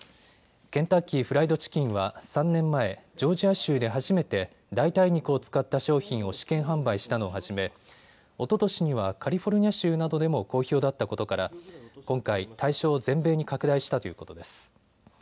ケンタッキーフライドチキンは３年前、ジョージア州で初めて代替肉を使った商品を試験販売したのをはじめおととしにはカリフォルニア州などでも好評だったことから今回、対象を全米に拡大したということです。